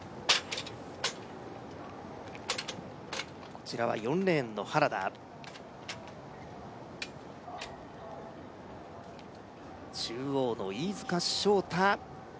こちらは４レーンの原田中央の飯塚翔太